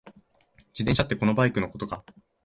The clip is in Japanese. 自転車ってこのバイクのことか？